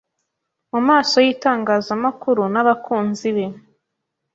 mu maso y’itangazamakuru n’abakunzi be